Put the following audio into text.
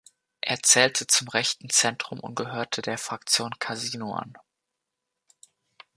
Er zählte zum rechten Zentrum und gehörte der Fraktion Casino an.